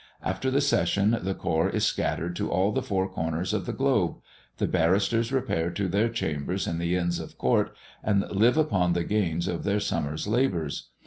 After the session the corps is scattered to all the four corners of the globe; the barristers repair to their chambers in the Inns of Court and live upon the gains of their summer's labours.